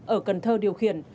ở cần thơ điều khiển